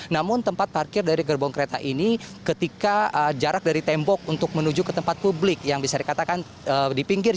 namun tempat parkir dari gerbong kereta ini ketika jarak dari tembok untuk menuju ke tempat publik yang bisa dikatakan di pinggir jalan